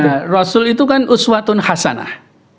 nah rasul itu kan uswatun hasanah